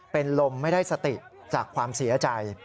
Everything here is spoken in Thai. เป็นลมไม่ได้สติจากความเสียใจ